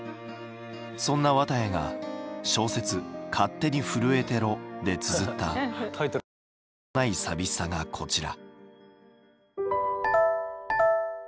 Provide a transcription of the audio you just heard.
そんな綿矢が小説「勝手にふるえてろ」でつづった言いようのない寂しさがこちら。